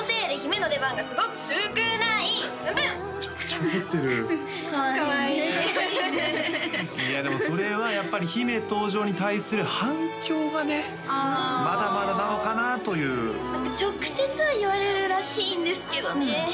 めちゃくちゃ怒ってるかわいいねかわいいねいやでもそれはやっぱり姫登場に対する反響がねまだまだなのかなという直接は言われるらしいんですけどね